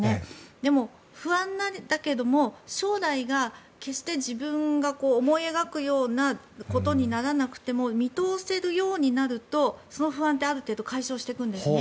でも不安なんだけれども将来が決して自分が思い描くようなことにならなくても見通せるようになるとその不安ってある程度解消していくんですね。